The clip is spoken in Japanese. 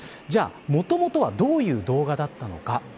じゃあ、もともとはどういう動画だったのか。